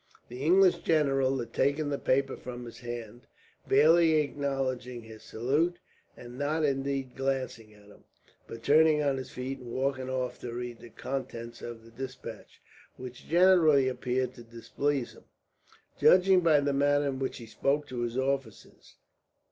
The English general had taken the paper from his hand, barely acknowledging his salute; and not indeed glancing at him, but turning on his heel and walking off to read the contents of the despatch, which generally appeared to displease him, judging by the manner in which he spoke to his officers.